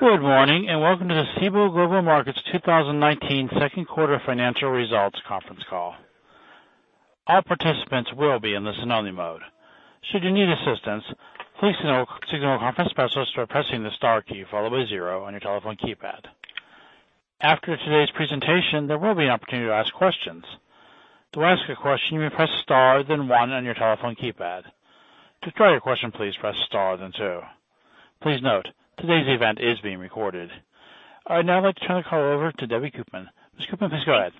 Good morning, and welcome to the Cboe Global Markets 2019 second quarter financial results conference call. All participants will be in the listen-only mode. Should you need assistance, please signal a conference specialist by pressing the star key, followed by zero on your telephone keypad. After today's presentation, there will be an opportunity to ask questions. To ask a question, you may press star then one on your telephone keypad. To withdraw your question, please press star then two. Please note, today's event is being recorded. I'd now like to turn the call over to Debbie Koopman. Ms. Koopman, please go ahead.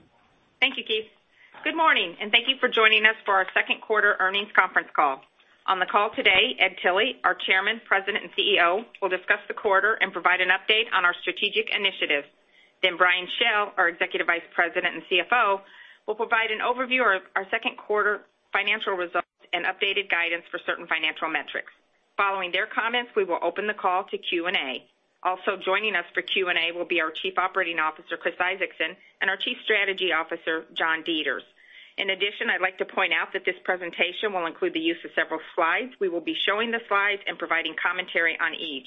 Thank you, Keith. Good morning, and thank you for joining us for our second quarter earnings conference call. On the call today, Ed Tilly, our Chairman, President and CEO, will discuss the quarter and provide an update on our strategic initiatives. Brian Schell, our Executive Vice President and CFO, will provide an overview of our second quarter financial results and updated guidance for certain financial metrics. Following their comments, we will open the call to Q&A. Also joining us for Q&A will be our Chief Operating Officer, Chris Isaacson, and our Chief Strategy Officer, John Deters. In addition, I'd like to point out that this presentation will include the use of several slides. We will be showing the slides and providing commentary on each.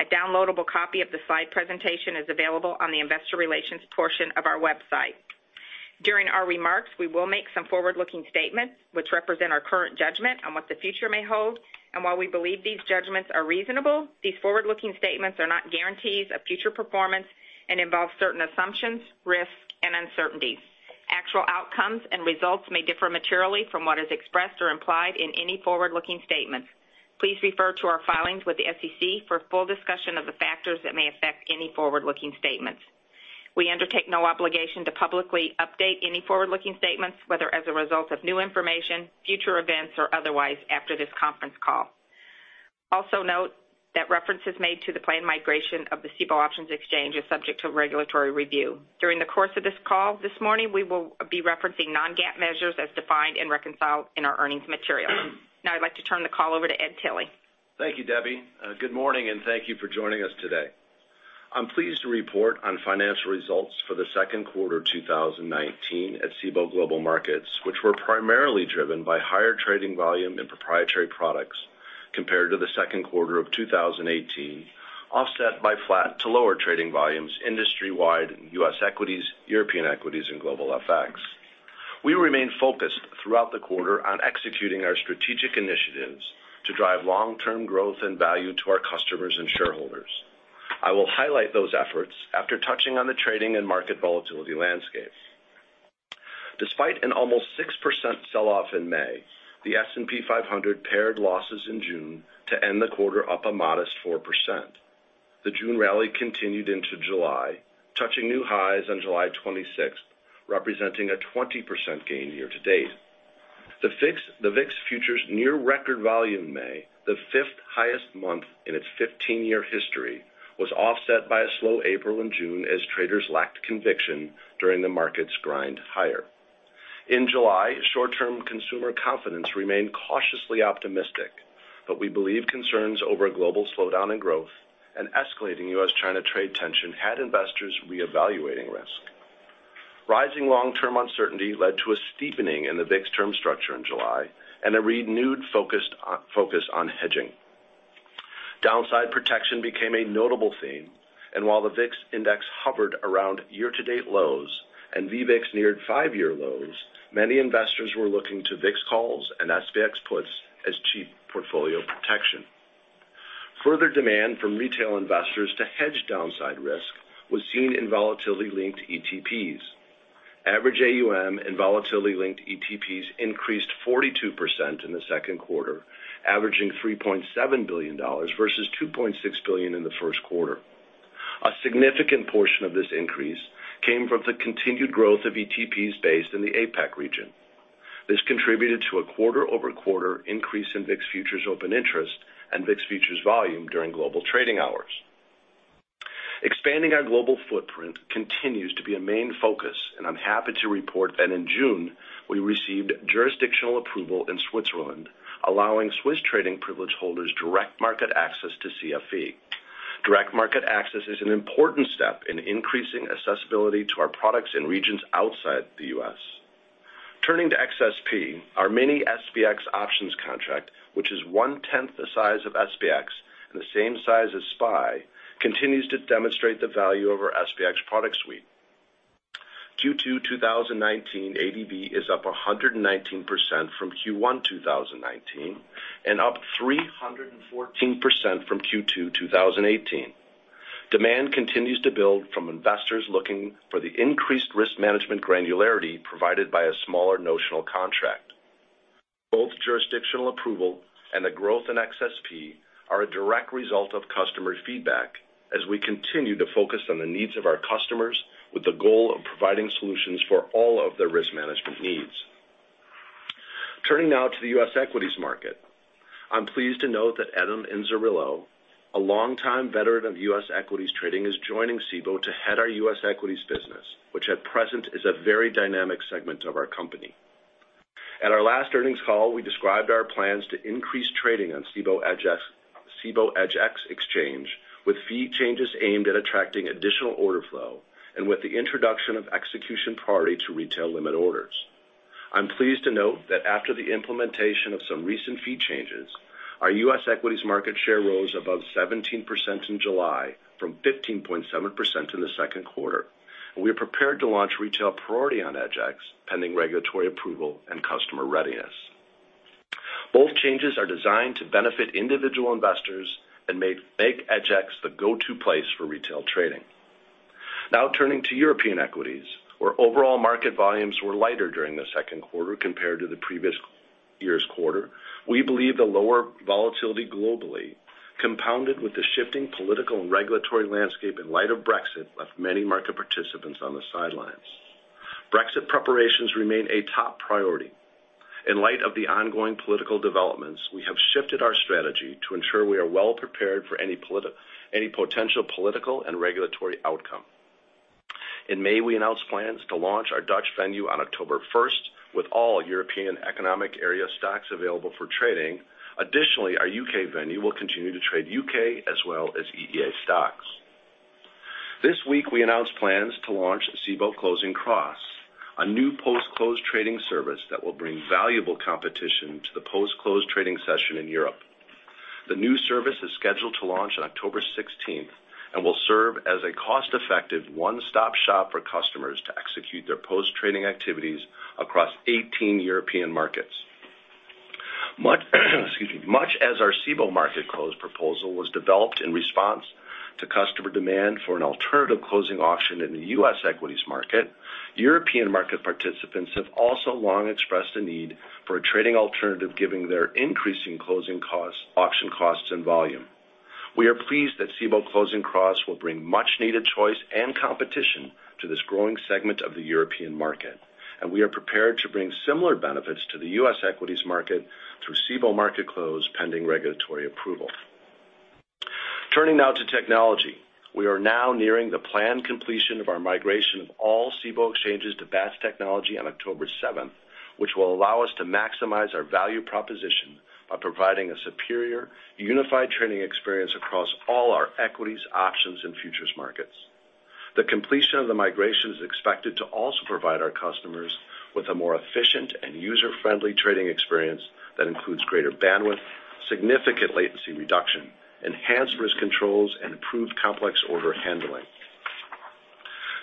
A downloadable copy of the slide presentation is available on the investor relations portion of our website. During our remarks, we will make some forward-looking statements which represent our current judgment on what the future may hold. While we believe these judgments are reasonable, these forward-looking statements are not guarantees of future performance and involve certain assumptions, risks, and uncertainties. Actual outcomes and results may differ materially from what is expressed or implied in any forward-looking statements. Please refer to our filings with the SEC for a full discussion of the factors that may affect any forward-looking statements. We undertake no obligation to publicly update any forward-looking statements, whether as a result of new information, future events, or otherwise after this conference call. Also note that references made to the planned migration of the Cboe Options Exchange is subject to regulatory review. During the course of this call this morning, we will be referencing non-GAAP measures as defined and reconciled in our earnings material. Now I'd like to turn the call over to Ed Tilly. Thank you, Debbie. Good morning, and thank you for joining us today. I'm pleased to report on financial results for the second quarter of 2019 at Cboe Global Markets, which were primarily driven by higher trading volume in proprietary products compared to the second quarter of 2018, offset by flat to lower trading volumes industrywide in U.S. equities, European equities, and global FX. We remained focused throughout the quarter on executing our strategic initiatives to drive long-term growth and value to our customers and shareholders. I will highlight those efforts after touching on the trading and market volatility landscape. Despite an almost 6% sell-off in May, the S&P 500 paired losses in June to end the quarter up a modest 4%. The June rally continued into July, touching new highs on July 26th, representing a 20% gain year to date. The VIX futures near record volume May, the fifth highest month in its 15-year history, was offset by a slow April and June as traders lacked conviction during the market's grind higher. In July, short-term consumer confidence remained cautiously optimistic, but we believe concerns over a global slowdown in growth and escalating U.S.-China trade tension had investors reevaluating risk. Rising long-term uncertainty led to a steepening in the VIX term structure in July, and a renewed focus on hedging. Downside protection became a notable theme, and while the VIX Index hovered around year-to-date lows and VVIX neared five-year lows, many investors were looking to VIX calls and SPX puts as cheap portfolio protection. Further demand from retail investors to hedge downside risk was seen in volatility-linked ETPs. Average AUM and volatility-linked ETPs increased 42% in the second quarter, averaging $3.7 billion, versus $2.6 billion in the first quarter. A significant portion of this increase came from the continued growth of ETPs based in the APAC region. This contributed to a quarter-over-quarter increase in VIX futures open interest and VIX futures volume during global trading hours. Expanding our global footprint continues to be a main focus, and I'm happy to report that in June, we received jurisdictional approval in Switzerland, allowing Swiss trading privilege holders direct market access to CFE. Direct market access is an important step in increasing accessibility to our products in regions outside the U.S. Turning to XSP, our Mini-SPX options contract, which is one-tenth the size of SPX and the same size as SPY, continues to demonstrate the value of our SPX product suite. Q2 2019 ADV is up 119% from Q1 2019 and up 314% from Q2 2018. Demand continues to build from investors looking for the increased risk management granularity provided by a smaller notional contract. Both jurisdictional approval and the growth in XSP are a direct result of customer feedback as we continue to focus on the needs of our customers with the goal of providing solutions for all of their risk management needs. Turning now to the U.S. equities market. I'm pleased to note that Adam Inzerillo, a long-time veteran of U.S. equities trading, is joining Cboe to head our U.S. equities business, which at present is a very dynamic segment of our company. At our last earnings call, we described our plans to increase trading on Cboe EDGX Exchange with fee changes aimed at attracting additional order flow and with the introduction of execution priority to retail limit orders. I'm pleased to note that after the implementation of some recent fee changes, our U.S. equities market share rose above 17% in July from 15.7% in the second quarter. We are prepared to launch retail priority on EDGX, pending regulatory approval and customer readiness. Both changes are designed to benefit individual investors and make EDGX the go-to place for retail trading. Turning to European equities, where overall market volumes were lighter during the second quarter compared to the previous year's quarter. We believe the lower volatility globally, compounded with the shifting political and regulatory landscape in light of Brexit, left many market participants on the sidelines. Brexit preparations remain a top priority. In light of the ongoing political developments, we have shifted our strategy to ensure we are well prepared for any potential political and regulatory outcome. In May, we announced plans to launch our Dutch venue on October 1st, with all European Economic Area stocks available for trading. Additionally, our U.K. venue will continue to trade U.K. as well as EEA stocks. This week, we announced plans to launch Cboe Closing Cross, a new post-close trading service that will bring valuable competition to the post-close trading session in Europe. The new service is scheduled to launch on October 16th and will serve as a cost-effective one-stop shop for customers to execute their post-trading activities across 18 European markets. Much as our Cboe Market Close proposal was developed in response to customer demand for an alternative closing auction in the U.S. equities market, European market participants have also long expressed a need for a trading alternative, given their increasing closing costs, auction costs, and volume. We are pleased that Cboe Closing Cross will bring much needed choice and competition to this growing segment of the European market, we are prepared to bring similar benefits to the U.S. equities market through Cboe Market Close, pending regulatory approval. Turning now to technology. We are now nearing the planned completion of our migration of all Cboe exchanges to Bats technology on October 7th, which will allow us to maximize our value proposition by providing a superior, unified trading experience across all our equities, options, and futures markets. The completion of the migration is expected to also provide our customers with a more efficient and user-friendly trading experience that includes greater bandwidth, significant latency reduction, enhanced risk controls, and improved complex order handling.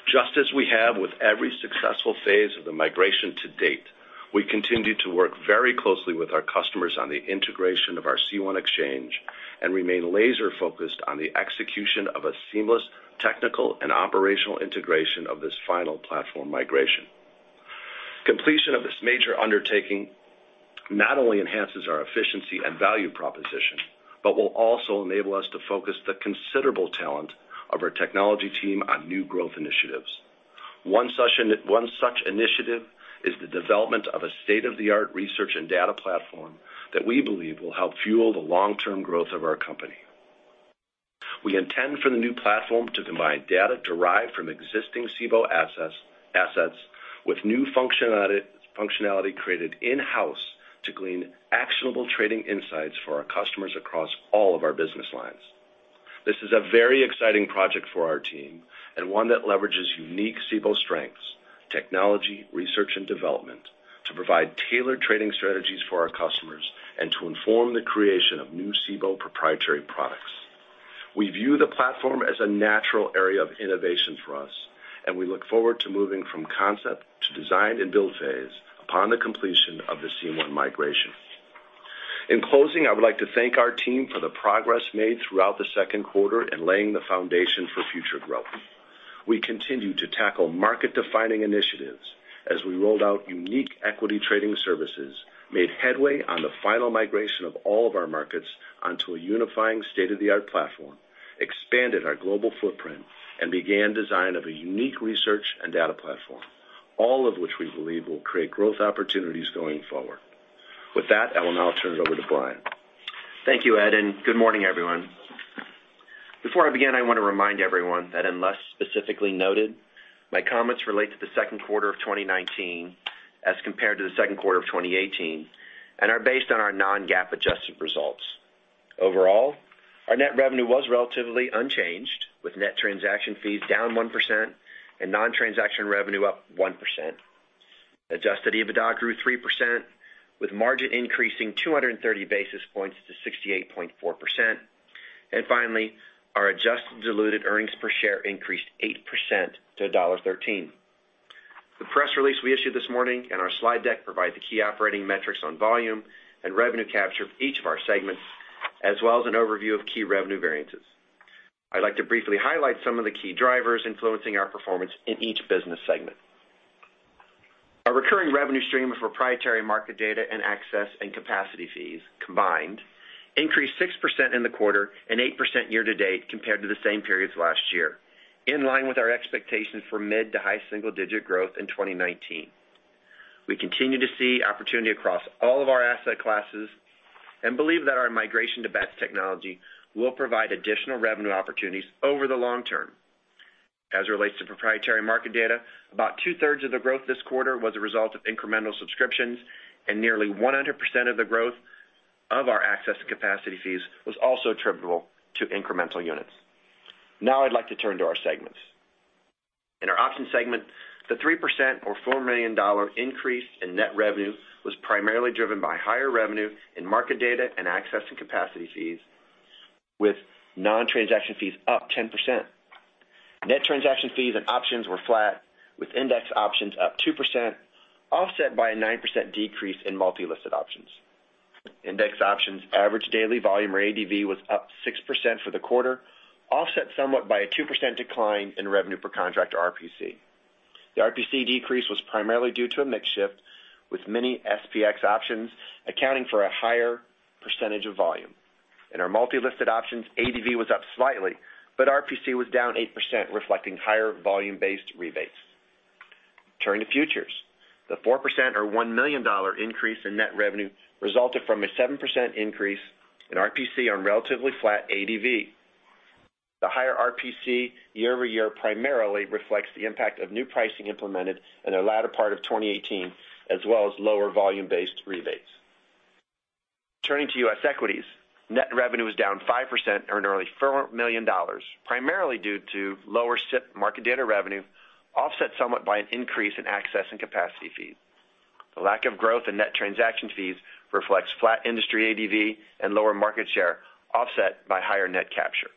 Just as we have with every successful phase of the migration to date, we continue to work very closely with our customers on the integration of our C1 exchange and remain laser focused on the execution of a seamless technical and operational integration of this final platform migration. Completion of this major undertaking not only enhances our efficiency and value proposition, but will also enable us to focus the considerable talent of our technology team on new growth initiatives. One such initiative is the development of a state-of-the-art research and data platform that we believe will help fuel the long-term growth of our company. We intend for the new platform to combine data derived from existing Cboe assets with new functionality created in-house to glean actionable trading insights for our customers across all of our business lines. This is a very exciting project for our team and one that leverages unique Cboe strengths, technology, research, and development to provide tailored trading strategies for our customers and to inform the creation of new Cboe proprietary products. We view the platform as a natural area of innovation for us, and we look forward to moving from concept to design and build phase upon the completion of the C1 migration. In closing, I would like to thank our team for the progress made throughout the second quarter in laying the foundation for future growth. We continue to tackle market-defining initiatives as we rolled out unique equity trading services, made headway on the final migration of all of our markets onto a unifying state-of-the-art platform, expanded our global footprint, and began design of a unique research and data platform. All of which we believe will create growth opportunities going forward. With that, I will now turn it over to Brian. Thank you, Ed. Good morning, everyone. Before I begin, I want to remind everyone that unless specifically noted, my comments relate to the second quarter of 2019 as compared to the second quarter of 2018, and are based on our non-GAAP adjusted results. Overall, our net revenue was relatively unchanged, with net transaction fees down 1% and non-transaction revenue up 1%. Adjusted EBITDA grew 3%, with margin increasing 230 basis points to 68.4%. Finally, our adjusted diluted earnings per share increased 8% to $1.13. The press release we issued this morning and our slide deck provide the key operating metrics on volume and revenue capture of each of our segments, as well as an overview of key revenue variances. I'd like to briefly highlight some of the key drivers influencing our performance in each business segment. Our recurring revenue stream of proprietary market data and access and capacity fees combined increased 6% in the quarter and 8% year-to-date compared to the same periods last year, in line with our expectations for mid to high single-digit growth in 2019. We continue to see opportunity across all of our asset classes and believe that our migration to Bats technology will provide additional revenue opportunities over the long term. As it relates to proprietary market data, about two-thirds of the growth this quarter was a result of incremental subscriptions, and nearly 100% of the growth of our access to capacity fees was also attributable to incremental units. I'd like to turn to our segments. In our options segment, the 3% or $4 million increase in net revenue was primarily driven by higher revenue in market data and access and capacity fees, with non-transaction fees up 10%. Net transaction fees and options were flat, with index options up 2%, offset by a 9% decrease in multi-listed options. Index options average daily volume or ADV was up 6% for the quarter, offset somewhat by a 2% decline in revenue per contract or RPC. The RPC decrease was primarily due to a mix shift, with Mini-SPX options accounting for a higher percentage of volume. In our multi-listed options, ADV was up slightly, but RPC was down 8%, reflecting higher volume-based rebates. Turning to futures, the 4% or $1 million increase in net revenue resulted from a 7% increase in RPC on relatively flat ADV. The higher RPC year-over-year primarily reflects the impact of new pricing implemented in the latter part of 2018, as well as lower volume-based rebates. Turning to U.S. equities, net revenue was down 5%, or nearly $4 million, primarily due to lower SIP market data revenue, offset somewhat by an increase in access and capacity fees. The lack of growth in net transaction fees reflects flat industry ADV and lower market share, offset by higher net capture.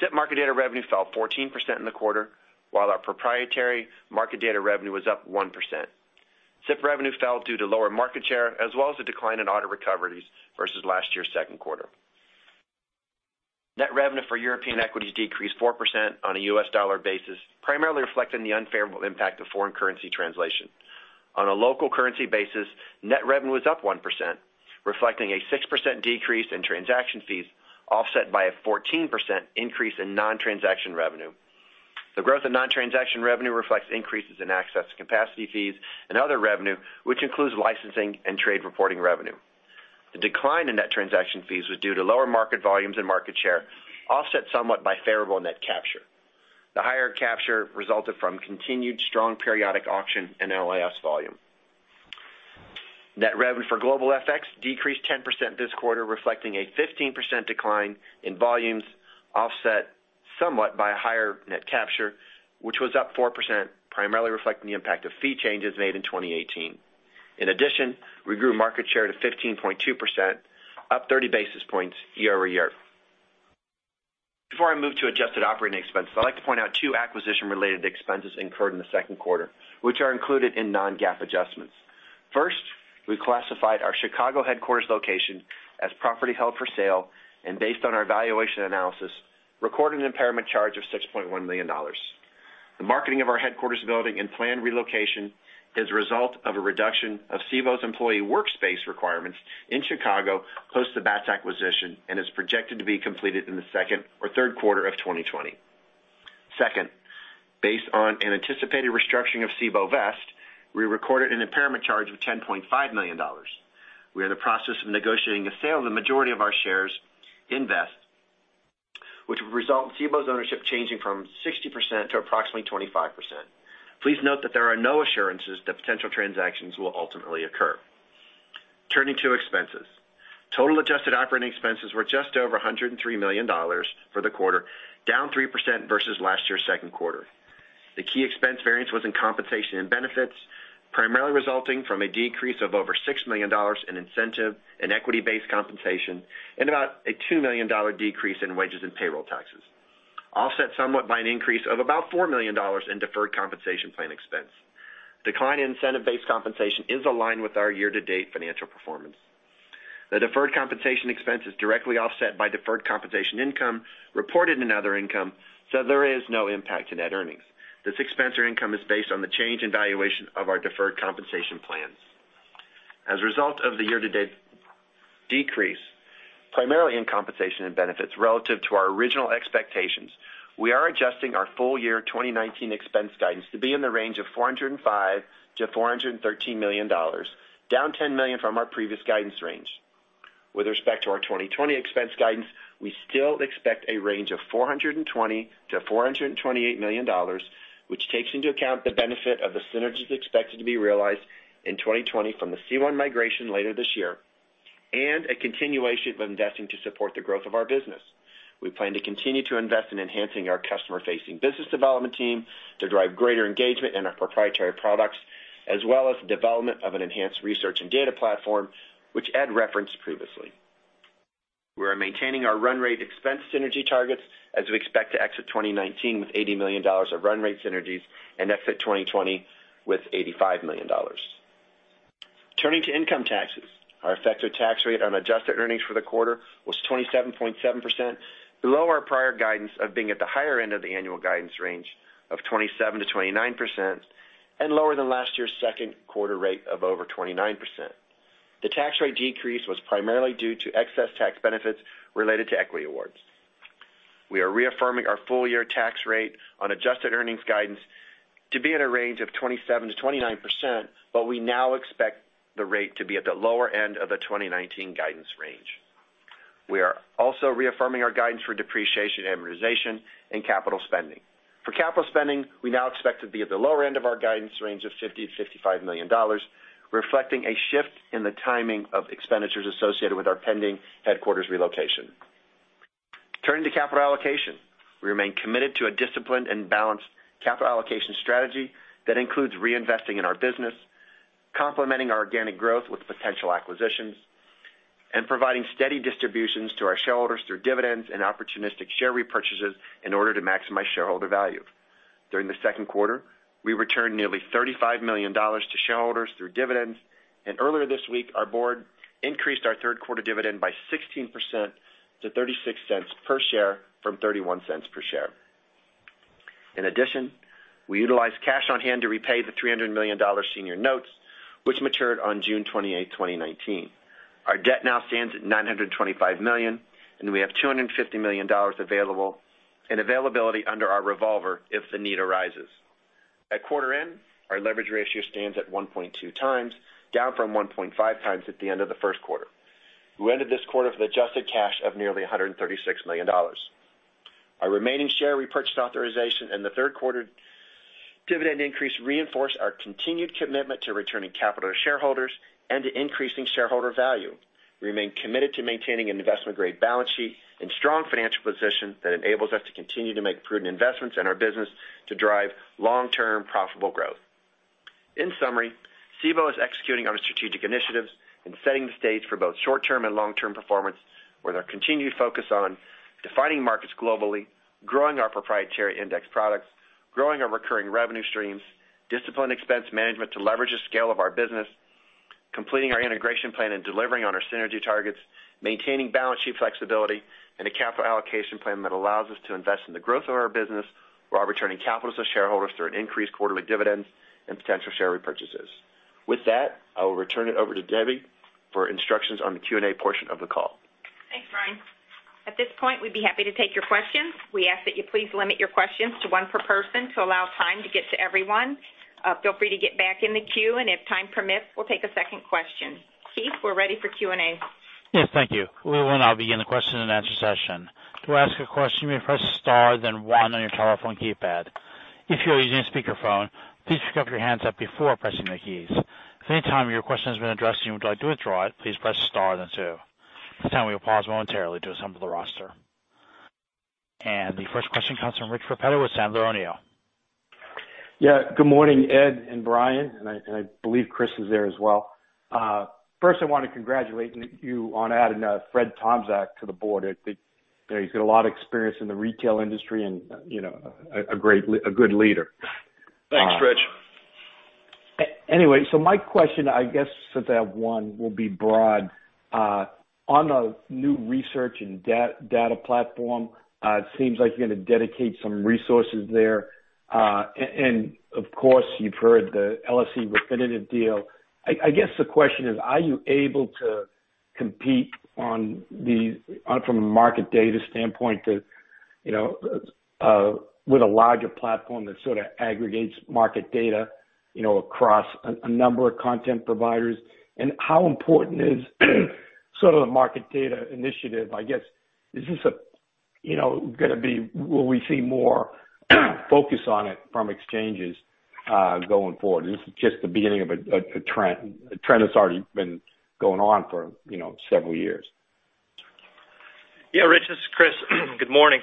SIP market data revenue fell 14% in the quarter, while our proprietary market data revenue was up 1%. SIP revenue fell due to lower market share, as well as a decline in audit recoveries versus last year's second quarter. Net revenue for European equities decreased 4% on a U.S. dollar basis, primarily reflecting the unfavorable impact of foreign currency translation. On a local currency basis, net revenue was up 1%, reflecting a 6% decrease in transaction fees, offset by a 14% increase in non-transaction revenue. The growth of non-transaction revenue reflects increases in access to capacity fees and other revenue, which includes licensing and trade reporting revenue. The decline in net transaction fees was due to lower market volumes and market share, offset somewhat by favorable net capture. The higher capture resulted from continued strong periodic auction and LIS volume. Net revenue for global FX decreased 10% this quarter, reflecting a 15% decline in volumes, offset somewhat by a higher net capture, which was up 4%, primarily reflecting the impact of fee changes made in 2018. In addition, we grew market share to 15.2%, up 30 basis points year-over-year. Before I move to adjusted operating expenses, I'd like to point out two acquisition-related expenses incurred in the second quarter, which are included in non-GAAP adjustments. First, we classified our Chicago headquarters location as property held for sale, and based on our valuation analysis, recorded an impairment charge of $6.1 million. The marketing of our headquarters building and planned relocation is a result of a reduction of Cboe's employee workspace requirements in Chicago close to Bats acquisition and is projected to be completed in the second or third quarter of 2020. Second, based on an anticipated restructuring of Cboe Vest, we recorded an impairment charge of $10.5 million. We are in the process of negotiating the sale of the majority of our shares in Vest, which would result in Cboe's ownership changing from 60% to approximately 25%. Please note that there are no assurances that potential transactions will ultimately occur. Turning to expenses. Total adjusted operating expenses were just over $103 million for the quarter, down 3% versus last year's second quarter. The key expense variance was in compensation and benefits, primarily resulting from a decrease of over $6 million in incentive and equity-based compensation, and about a $2 million decrease in wages and payroll taxes, offset somewhat by an increase of about $4 million in deferred compensation plan expense. Decline in incentive-based compensation is aligned with our year-to-date financial performance. The deferred compensation expense is directly offset by deferred compensation income reported in other income. There is no impact to net earnings. This expense or income is based on the change in valuation of our deferred compensation plans. As a result of the year-to-date decrease, primarily in compensation and benefits relative to our original expectations, we are adjusting our full year 2019 expense guidance to be in the range of $405 million-$413 million, down $10 million from our previous guidance range. With respect to our 2020 expense guidance, we still expect a range of $420 million-$428 million, which takes into account the benefit of the synergies expected to be realized in 2020 from the C1 migration later this year, a continuation of investing to support the growth of our business. We plan to continue to invest in enhancing our customer-facing business development team to drive greater engagement in our proprietary products, as well as the development of an enhanced research and data platform, which Ed referenced previously. We are maintaining our run rate expense synergy targets as we expect to exit 2019 with $80 million of run rate synergies and exit 2020 with $85 million. Turning to income taxes. Our effective tax rate on adjusted earnings for the quarter was 27.7%, below our prior guidance of being at the higher end of the annual guidance range of 27%-29% and lower than last year's second quarter rate of over 29%. The tax rate decrease was primarily due to excess tax benefits related to equity awards. We are reaffirming our full-year tax rate on adjusted earnings guidance to be at a range of 27%-29%, but we now expect the rate to be at the lower end of the 2019 guidance range. We are also reaffirming our guidance for depreciation, amortization, and capital spending. For capital spending, we now expect to be at the lower end of our guidance range of $50 million-$55 million. Reflecting a shift in the timing of expenditures associated with our pending headquarters relocation. Turning to capital allocation. We remain committed to a disciplined and balanced capital allocation strategy that includes reinvesting in our business, complementing our organic growth with potential acquisitions, and providing steady distributions to our shareholders through dividends and opportunistic share repurchases in order to maximize shareholder value. During the second quarter, we returned nearly $35 million to shareholders through dividends, and earlier this week, our board increased our third-quarter dividend by 16% to $0.36 per share from $0.31 per share. In addition, we utilized cash on hand to repay the $300 million senior notes, which matured on June 28, 2019. Our debt now stands at $925 million, and we have $250 million available in availability under our revolver if the need arises. At quarter end, our leverage ratio stands at 1.2 times, down from 1.5 times at the end of the first quarter. We ended this quarter with adjusted cash of nearly $136 million. Our remaining share repurchase authorization and the third quarter dividend increase reinforce our continued commitment to returning capital to shareholders and to increasing shareholder value. We remain committed to maintaining an investment-grade balance sheet and strong financial position that enables us to continue to make prudent investments in our business to drive long-term profitable growth. In summary, Cboe is executing on strategic initiatives and setting the stage for both short-term and long-term performance, with our continued focus on defining markets globally, growing our proprietary index products, growing our recurring revenue streams, disciplined expense management to leverage the scale of our business, completing our integration plan and delivering on our synergy targets, maintaining balance sheet flexibility, and a capital allocation plan that allows us to invest in the growth of our business while returning capital to shareholders through an increased quarterly dividend and potential share repurchases. With that, I will return it over to Debbie for instructions on the Q&A portion of the call. Thanks, Brian. At this point, we'd be happy to take your questions. We ask that you please limit your questions to one per person to allow time to get to everyone. Feel free to get back in the queue. If time permits, we'll take a second question. Keith, we're ready for Q&A. Yes. Thank you. We will now begin the question-and-answer session. To ask a question, you may press star, then one on your telephone keypad. If you're using a speakerphone, please pick up your handset before pressing the keys. If at any time your question has been addressed and you would like to withdraw it, please press star then two. At this time, we will pause momentarily to assemble the roster. The first question comes from Rich Repetto with Sandler O'Neill. Yeah. Good morning, Ed and Brian, and I believe Chris is there as well. First, I want to congratulate you on adding Fred Tomczyk to the board. He's got a lot of experience in the retail industry and a good leader. Thanks, Rich. My question, I guess for that one will be broad. On the new research and data platform, it seems like you're going to dedicate some resources there. Of course, you've heard the LSE Refinitiv deal. I guess the question is, are you able to compete from a market data standpoint with a larger platform that sort of aggregates market data across a number of content providers? How important is sort of the market data initiative? I guess, will we see more focus on it from exchanges going forward, or is this just the beginning of a trend that's already been going on for several years? Yeah, Rich, this is Chris. Good morning.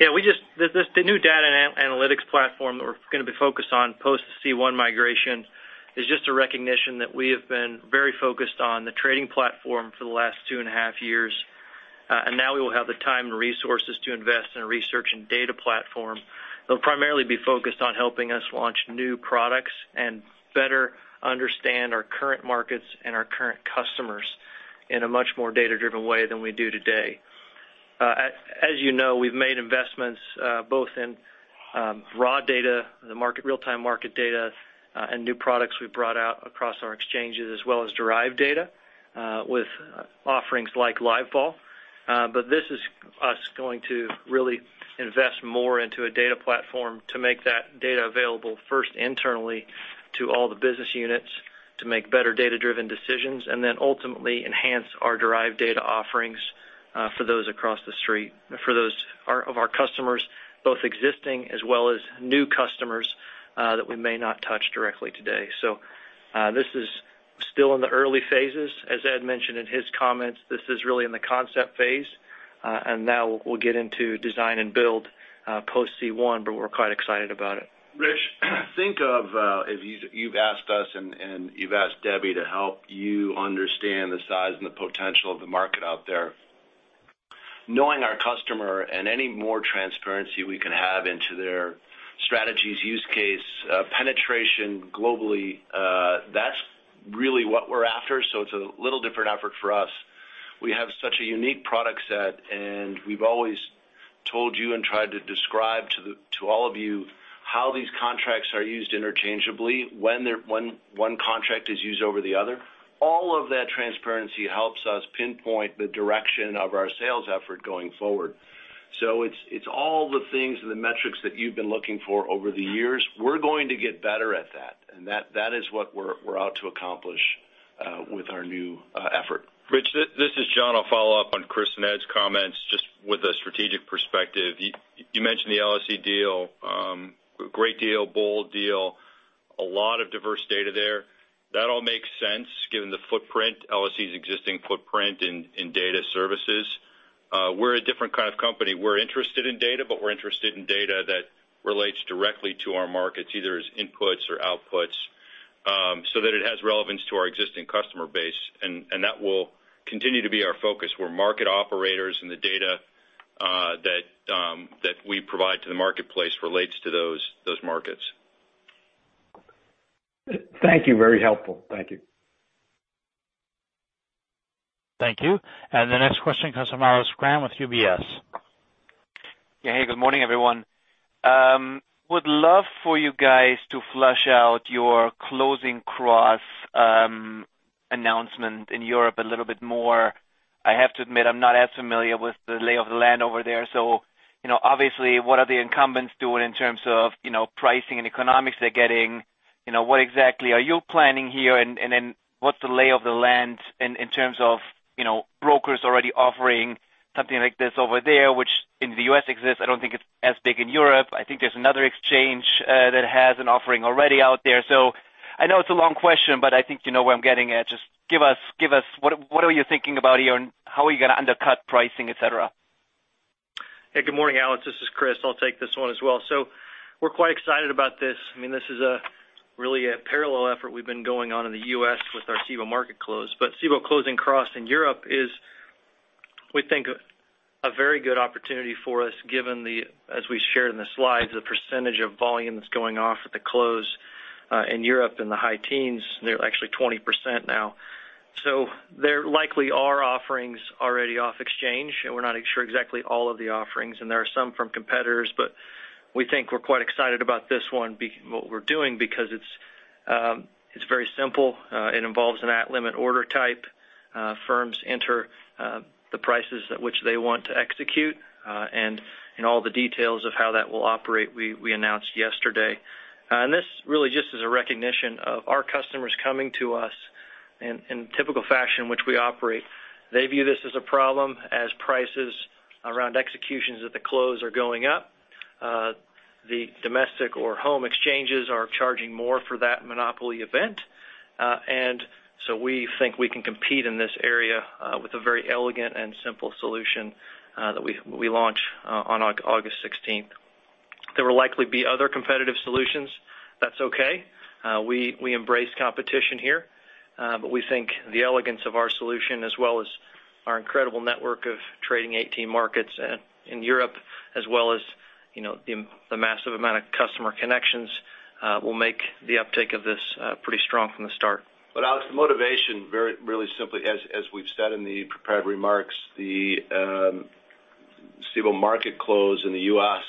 Yeah, the new data and analytics platform that we're going to be focused on post C1 migration is just a recognition that we have been very focused on the trading platform for the last two and a half years. Now we will have the time and resources to invest in a research and data platform that will primarily be focused on helping us launch new products and better understand our current markets and our current customers in a much more data-driven way than we do today. As you know, we've made investments both in raw data, the real-time market data, and new products we've brought out across our exchanges, as well as derived data with offerings like LiveVol. This is us going to really invest more into a data platform to make that data available first internally to all the business units to make better data-driven decisions, and then ultimately enhance our derived data offerings for those across the street, for those of our customers, both existing as well as new customers that we may not touch directly today. This is still in the early phases. As Ed mentioned in his comments, this is really in the concept phase. Now we'll get into design and build post C1. We're quite excited about it. Rich, think of if you've asked us and you've asked Debbie to help you understand the size and the potential of the market out there. Knowing our customer and any more transparency we can have into their strategies, use case, penetration globally, that's really what we're after. It's a little different effort for us. We have such a unique product set, and we've always told you and tried to describe to all of you how these contracts are used interchangeably when one contract is used over the other. All of that transparency helps us pinpoint the direction of our sales effort going forward. It's all the things and the metrics that you've been looking for over the years. We're going to get better at that, and that is what we're out to accomplish Our new effort. Rich, this is John. I'll follow up on Chris and Ed's comments just with a strategic perspective. You mentioned the LSE deal, great deal, bold deal, a lot of diverse data there. That all makes sense given the footprint, LSE's existing footprint in data services. We're a different kind of company. We're interested in data, but we're interested in data that relates directly to our markets, either as inputs or outputs, so that it has relevance to our existing customer base. That will continue to be our focus, where market operators and the data that we provide to the marketplace relates to those markets. Thank you. Very helpful. Thank you. Thank you. The next question comes from Alex Kramm with UBS. Yeah. Hey, good morning, everyone. Would love for you guys to flush out your Cboe Closing Cross announcement in Europe a little bit more. I have to admit, I'm not as familiar with the lay of the land over there. Obviously, what are the incumbents doing in terms of pricing and economics they're getting? What exactly are you planning here? What's the lay of the land in terms of brokers already offering something like this over there, which in the U.S. exists, I don't think it's as big in Europe. I think there's another exchange that has an offering already out there. I know it's a long question, but I think you know where I'm getting at. Just give us, what are you thinking about here, and how are you going to undercut pricing, et cetera? Hey, good morning, Alex. This is Chris. I'll take this one as well. We're quite excited about this. This is really a parallel effort we've been going on in the U.S. with our Cboe Market Close. Cboe Closing Cross in Europe is, we think, a very good opportunity for us given the, as we shared in the slides, the percentage of volume that's going off at the close, in Europe in the high teens, they're actually 20% now. There likely are offerings already off exchange, we're not sure exactly all of the offerings, there are some from competitors, we think we're quite excited about this one, what we're doing, because it's very simple. It involves an at limit order type. Firms enter the prices at which they want to execute, all the details of how that will operate we announced yesterday. This really just is a recognition of our customers coming to us in the typical fashion which we operate. They view this as a problem as prices around executions at the close are going up. The domestic or home exchanges are charging more for that monopoly event. We think we can compete in this area, with a very elegant and simple solution that we launch on August 16th. There will likely be other competitive solutions. That's okay. We embrace competition here. We think the elegance of our solution, as well as our incredible network of trading 18 markets in Europe, as well as the massive amount of customer connections, will make the uptake of this pretty strong from the start. Alex, the motivation very really simply as we've said in the prepared remarks, the Cboe Market Close in the U.S.,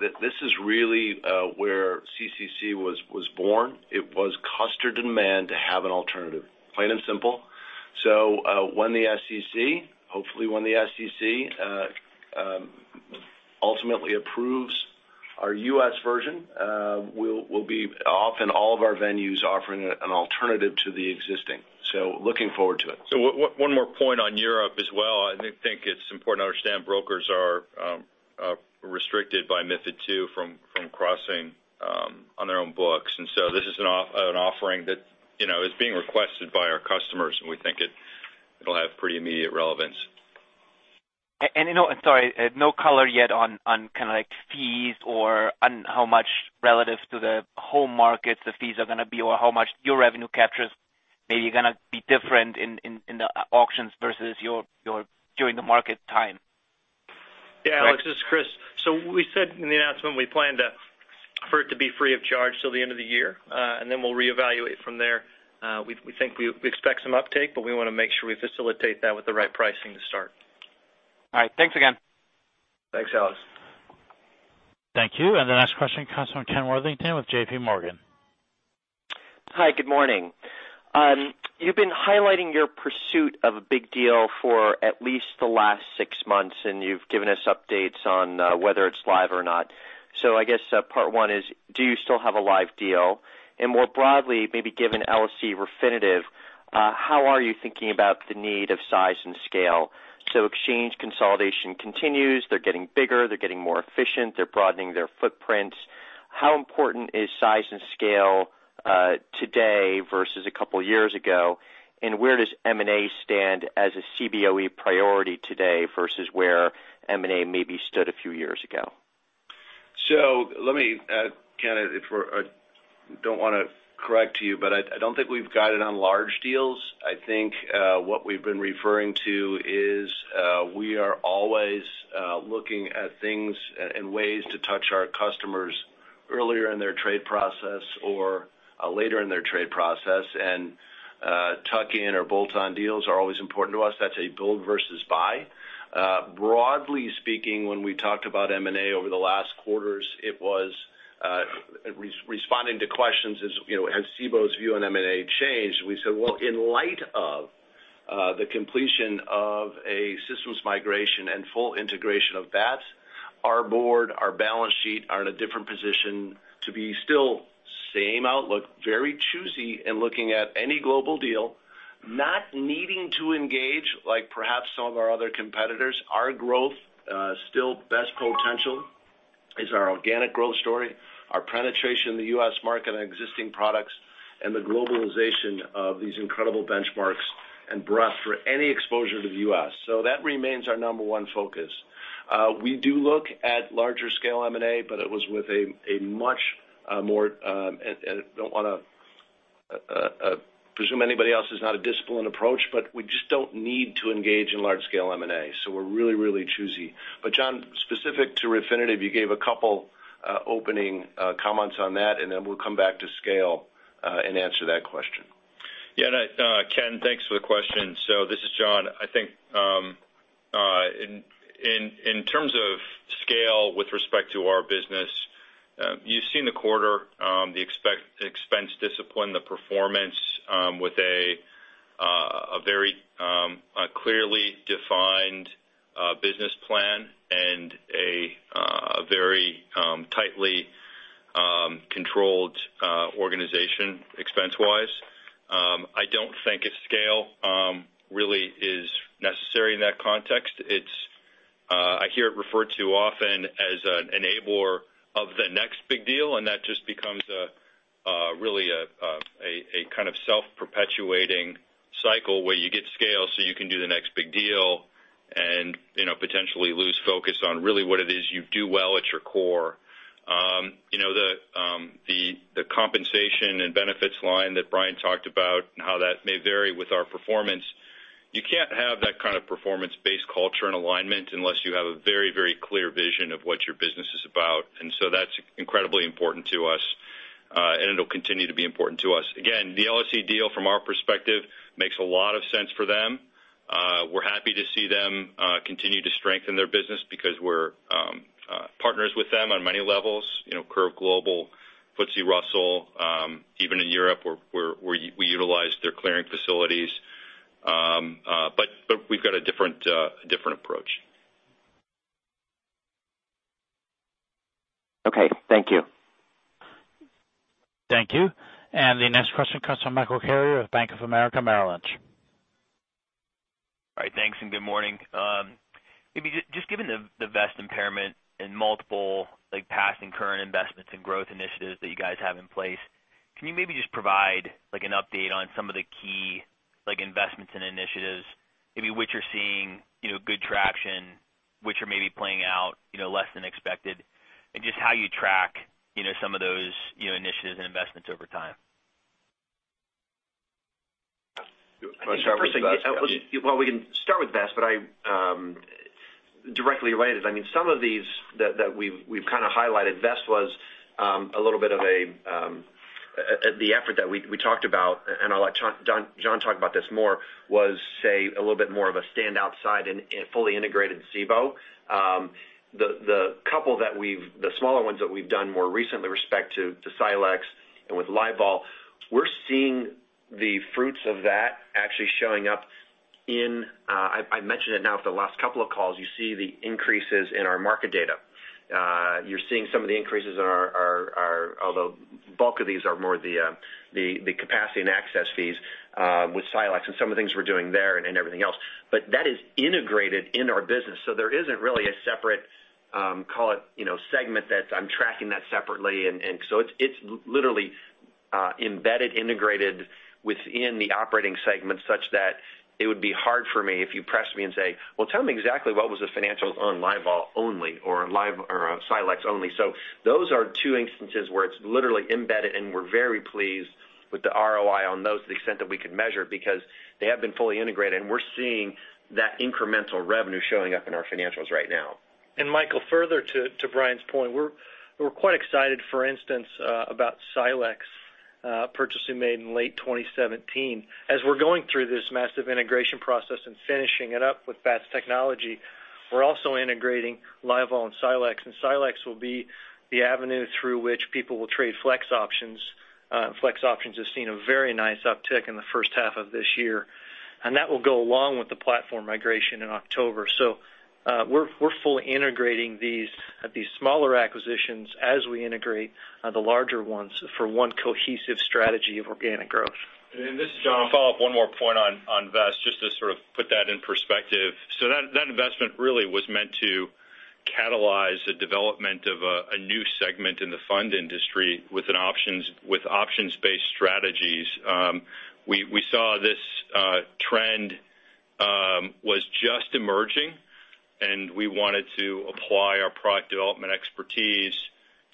this is really where CCCY was born. It was customer demand to have an alternative, plain and simple. When the SEC, hopefully when the SEC ultimately approves our U.S. version, we'll be off in all of our venues offering an alternative to the existing. Looking forward to it. One more point on Europe as well. I think it's important to understand brokers are restricted by MiFID II from crossing on their own books. This is an offering that is being requested by our customers, and we think it'll have pretty immediate relevance. Sorry, no color yet on kind of like fees or on how much relative to the home markets the fees are gonna be or how much your revenue captures, maybe are gonna be different in the auctions versus during the market time. Yeah, Alex, this is Chris. We said in the announcement we plan for it to be free of charge till the end of the year, and then we'll reevaluate from there. We expect some uptake, but we want to make sure we facilitate that with the right pricing to start. All right. Thanks again. Thanks, Alex. Thank you. The next question comes from Kenneth Worthington with J.P. Morgan. Hi, good morning. You've been highlighting your pursuit of a big deal for at least the last six months, and you've given us updates on whether it's live or not. I guess part one is, do you still have a live deal? More broadly, maybe given LSE Refinitiv, how are you thinking about the need of size and scale? Exchange consolidation continues. They're getting bigger. They're getting more efficient. They're broadening their footprints. How important is size and scale today versus a couple of years ago? Where does M&A stand as a Cboe priority today versus where M&A maybe stood a few years ago? Let me, Ken, I don't want to correct you, but I don't think we've guided on large deals. I think what we've been referring to is we are always looking at things and ways to touch our customers earlier in their trade process or later in their trade process and tuck-in or bolt-on deals are always important to us. That's a build versus buy. Broadly speaking, when we talked about M&A over the last quarters, it was responding to questions as Cboe's view on M&A changed. We said, well, in light of the completion of a systems migration and full integration of Bats. Our board, our balance sheet are in a different position to be still same outlook, very choosy in looking at any global deal, not needing to engage like perhaps some of our other competitors. Our growth, still best potential, is our organic growth story, our penetration in the U.S. market and existing products, and the globalization of these incredible benchmarks and breadth for any exposure to the U.S. That remains our number one focus. We do look at larger scale M&A, but it was with a much more I don't want to presume anybody else's not a disciplined approach, but we just don't need to engage in large scale M&A, so we're really, really choosy. John, specific to Refinitiv, you gave a couple opening comments on that, and then we'll come back to scale, and answer that question. Yeah. Ken, thanks for the question. This is John. I think, in terms of scale with respect to our business, you've seen the quarter, the expense discipline, the performance, with a very clearly defined business plan and a very tightly controlled organization expense-wise. I don't think a scale really is necessary in that context. I hear it referred to often as an enabler of the next big deal, and that just becomes really a kind of self-perpetuating cycle where you get scale so you can do the next big deal and potentially lose focus on really what it is you do well at your core. The compensation and benefits line that Brian talked about and how that may vary with our performance, you can't have that kind of performance-based culture and alignment unless you have a very, very clear vision of what your business is about. That's incredibly important to us, and it'll continue to be important to us. Again, the LSE deal from our perspective makes a lot of sense for them. We're happy to see them continue to strengthen their business because we're partners with them on many levels. CurveGlobal, FTSE Russell, even in Europe where we utilize their clearing facilities. We've got a different approach. Okay, thank you. Thank you. The next question comes from Michael Carrier of Bank of America Merrill Lynch. All right, thanks, and good morning. Maybe just given the Vest impairment and multiple past and current investments and growth initiatives that you guys have in place, can you maybe just provide an update on some of the key investments and initiatives, maybe which are seeing good traction, which are maybe playing out less than expected, and just how you track some of those initiatives and investments over time? You want to start with Vest? Well, we can start with Vest, but directly related. Some of these that we've kind of highlighted, Vest was a little bit of the effort that we talked about, and I'll let John talk about this more, was, say, a little bit more of a stand outside and fully integrated Cboe. The smaller ones that we've done more recently with respect to Silexx and with LiveVol, we're seeing the fruits of that actually showing up in I've mentioned it now for the last couple of calls. You see the increases in our market data. You're seeing some of the increases in our Although bulk of these are more the capacity and access fees, with Silexx and some of the things we're doing there and everything else. That is integrated in our business, so there isn't really a separate, call it, segment that I'm tracking that separately. It's literally embedded, integrated within the operating segment, such that it would be hard for me if you press me and say, "Well, tell me exactly what was the financials on LiveVol only, or Silexx only." Those are two instances where it's literally embedded, and we're very pleased with the ROI on those to the extent that we could measure, because they have been fully integrated, and we're seeing that incremental revenue showing up in our financials right now. Michael, further to Brian's point, we're quite excited, for instance, about Silexx purchase we made in late 2017. As we're going through this massive integration process and finishing it up with Bats technology, we're also integrating LiveVol and Silexx, and Silexx will be the avenue through which people will trade FLEX Options. FLEX Options has seen a very nice uptick in the first half of this year. That will go along with the platform migration in October. We're fully integrating these at the smaller acquisitions as we integrate the larger ones for one cohesive strategy of organic growth. This is John. I'll follow up one more point on Vest, just to sort of put that in perspective. That investment really was meant to catalyze the development of a new segment in the fund industry with options-based strategies. We saw this trend was just emerging, we wanted to apply our product development expertise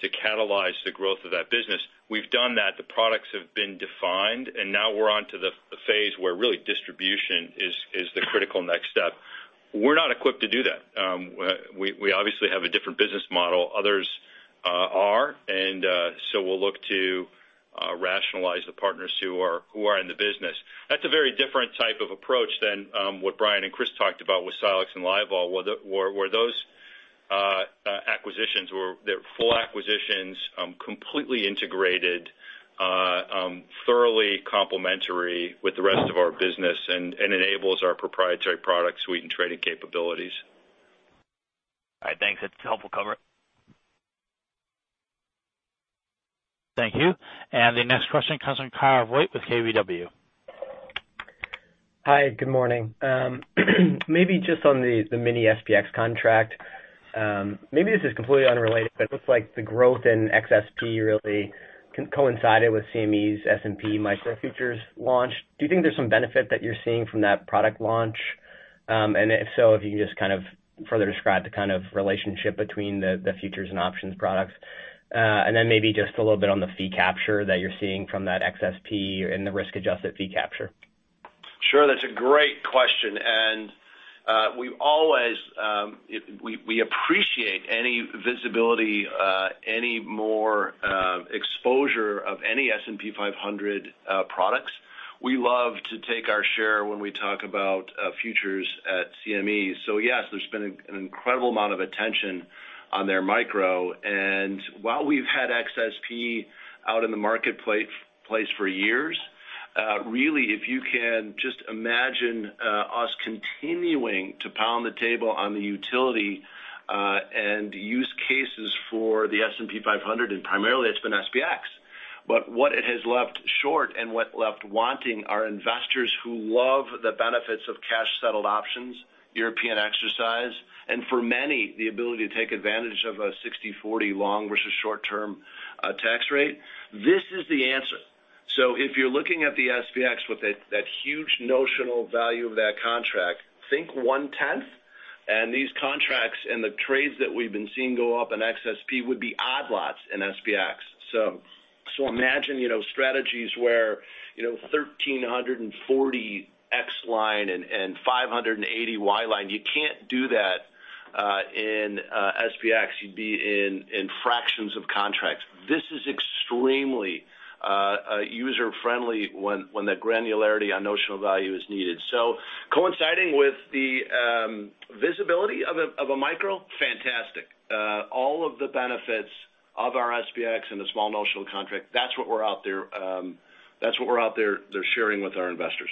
to catalyze the growth of that business. We've done that. The products have been defined, now we're onto the phase where really distribution is the critical next step. We're not equipped to do that. We obviously have a different business model. Others are. We'll look to rationalize the partners who are in the business. That's a very different type of approach than what Brian and Chris talked about with Silexx and LiveVol, where those acquisitions were full acquisitions, completely integrated. Thoroughly complementary with the rest of our business and enables our proprietary product suite and trading capabilities. All right, thanks. That's a helpful cover. Thank you. The next question comes from Kyle Voigt with KBW. Hi, good morning. Maybe just on the Mini-SPX contract. Maybe this is completely unrelated, but it looks like the growth in XSP really coincided with CME's S&P micro futures launch. Do you think there's some benefit that you're seeing from that product launch? If so, if you can just further describe the kind of relationship between the futures and options products. Then maybe just a little bit on the fee capture that you're seeing from that XSP and the risk-adjusted fee capture. Sure. That's a great question, and we appreciate any visibility, any more exposure of any S&P 500 products. We love to take our share when we talk about futures at CME. Yes, there's been an incredible amount of attention on their micro. While we've had XSP out in the marketplace for years, really if you can just imagine us continuing to pound the table on the utility, and use cases for the S&P 500, and primarily it's been SPX. What it has left short and what left wanting are investors who love the benefits of cash-settled options, European exercise, and for many, the ability to take advantage of a 60/40 long versus short-term tax rate. This is the answer. If you're looking at the SPX with that huge notional value of that contract, think one-tenth. These contracts and the trades that we've been seeing go up in XSP would be odd lots in SPX. Imagine strategies where, 1,340 X line and 580 Y line. You can't do that in SPX. You'd be in fractions of contracts. This is extremely user-friendly when that granularity on notional value is needed. Coinciding with the visibility of a micro, fantastic. All of the benefits of our SPX and the small notional contract, that's what we're out there sharing with our investors.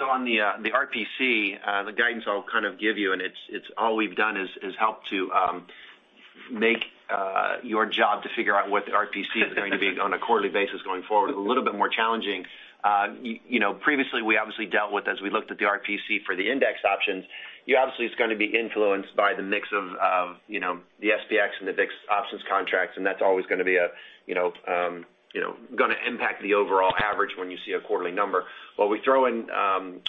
On the RPC, the guidance I'll kind of give you, and it's all we've done is help to make your job to figure out what the RPC is going to be on a quarterly basis going forward, a little bit more challenging. Previously we obviously dealt with, as we looked at the RPC for the index options, obviously it's going to be influenced by the mix of the SPX and the VIX options contracts, and that's always going to impact the overall average when you see a quarterly number. What we throw in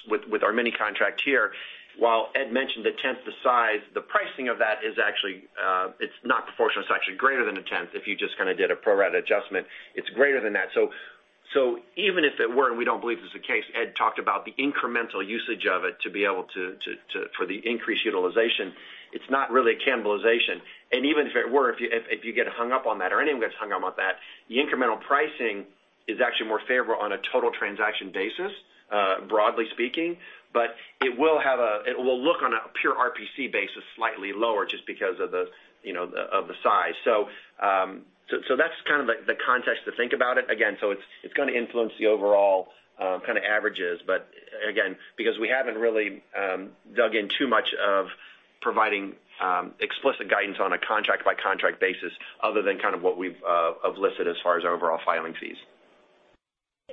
with our mini contract here, while Ed mentioned a tenth the size, the pricing of that is actually, it's not proportional, it's actually greater than a tenth if you just did a pro-rata adjustment. It's greater than that. Even if it were, and we don't believe this is the case, Ed talked about the incremental usage of it to be able to, for the increased utilization, it's not really a cannibalization. Even if it were, if you get hung up on that or anyone gets hung up on that, the incremental pricing is actually more favorable on a total transaction basis, broadly speaking. It will look on a pure RPC basis, slightly lower just because of the size. That's kind of the context to think about it. Again, it's going to influence the overall averages. Again, because we haven't really dug in too much of providing explicit guidance on a contract-by-contract basis other than what we've listed as far as overall filing fees.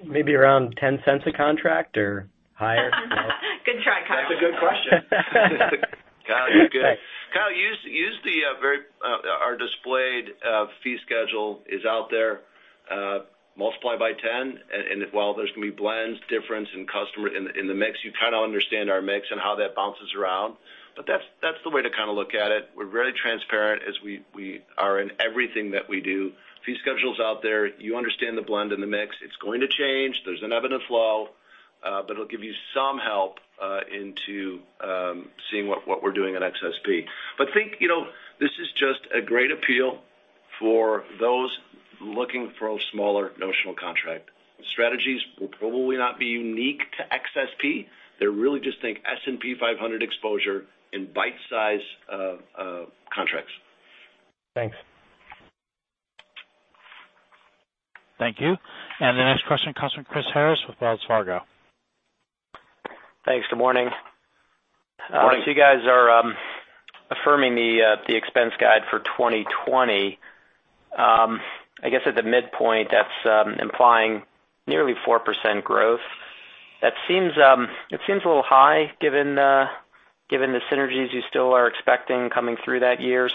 Maybe around $0.10 a contract or higher? Good try, Kyle. That's a good question. Kyle, you're good. Kyle, use our displayed fee schedule is out there, multiply by 10, while there's going to be blends, difference in customer in the mix, you kind of understand our mix and how that bounces around. That's the way to look at it. We're very transparent as we are in everything that we do. Fee schedule's out there. You understand the blend in the mix. It's going to change. There's an ebb and flow. It'll give you some help into seeing what we're doing at XSP. Think, this is just a great appeal for those looking for a smaller notional contract. Strategies will probably not be unique to XSP. They're really just think S&P 500 exposure in bite-size contracts. Thanks. Thank you. The next question comes from Chris Harris with Wells Fargo. Thanks. Good morning. Morning. You guys are affirming the expense guide for 2020. I guess at the midpoint, that's implying nearly 4% growth. It seems a little high given the synergies you still are expecting coming through that year.